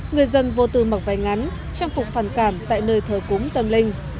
người dân vô tư mặc váy ngắn trang phục phản cảm tại nơi thờ cúng tâm linh